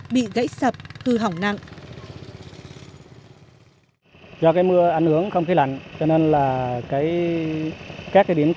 bị gãy sập cư hỏng nặng